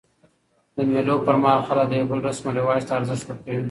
د مېلو پر مهال خلک د یو بل رسم و رواج ته ارزښت ورکوي.